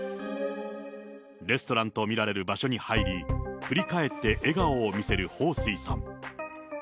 レストランと見られる場所に入り、振り返って笑顔を見せる彭帥さん。